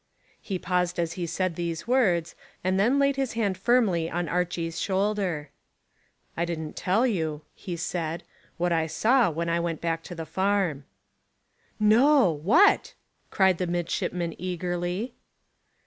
He paused as he said these words, and then laid his hand firmly on Archy's shoulder. "I didn't tell you," he said, "what I saw when I went back to the farm." "No! What?" cried the midshipman eagerly.